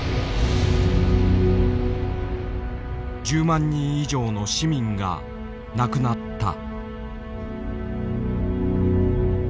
１０万人以上の市民が亡くなった。